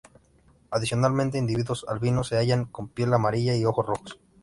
Adicionalmente, individuos albinos se hallan con piel amarilla y ojos rojos.